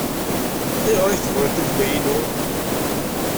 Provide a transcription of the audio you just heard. Ayɣer ay tebɣiḍ tugna-inu?